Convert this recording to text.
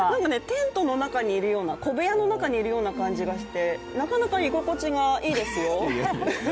テントの中にいるような小部屋の中にいるような感じでなかなか居心地がいいですよ。